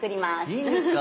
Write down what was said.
いいんですか？